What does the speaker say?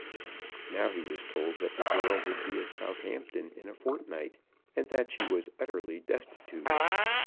Now he was told that the girl would be at Southampton in a fortnight, and that she was utterly destitute.